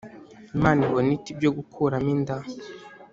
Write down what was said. Imana ibona ite ibyo gukuramo inda